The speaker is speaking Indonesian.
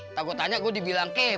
ntar gue tanya gue dibilang kepo lagi